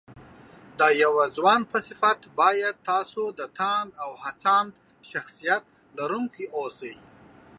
د يو ځوان په صفت بايد تاسو د تاند او هڅاند شخصيت لرونکي واوسئ